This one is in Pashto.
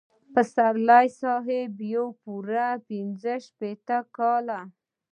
پسرلي صاحب پوره پنځه شپېته کاله.